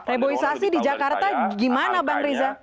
reboisasi di jakarta gimana bang riza